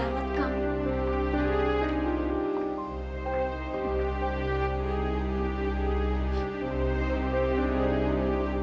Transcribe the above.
benar banget kang